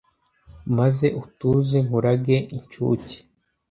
maze utuze nkurage incuke